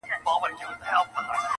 په ښراوو، په بد نوم او په ښکنځلو!!